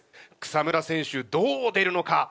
草村選手どう出るのか？